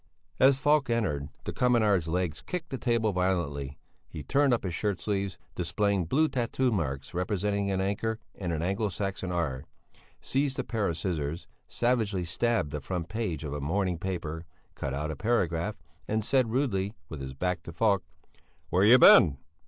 As Falk entered, the communard's legs kicked the table violently: he turned up his shirt sleeves, displaying blue tattoo marks representing an anchor and an Anglo Saxon R, seized a pair of scissors, savagely stabbed the front page of a morning paper, cut out a paragraph, and said, rudely, with his back to Falk: "Where have you been?"